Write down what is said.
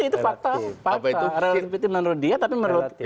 relativity menurut dia tapi menurut